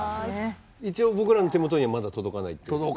一応僕らの手元にはまだ届かないっていう。